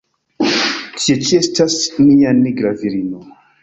Tie ĉi estas nia nigra virino!